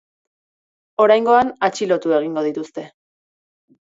Oraingoan, atxilotu egingo dituzte.